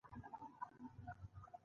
ته به راشئ، ته به راشې